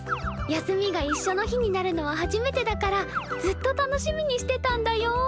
休みがいっしょの日になるのは初めてだからずっと楽しみにしてたんだよ。